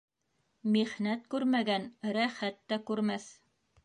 Михнәт күрмәгән рәхәт тә күрмәҫ.